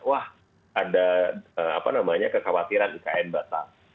wah ada kekhawatiran ikn batal